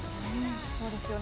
そうですよね。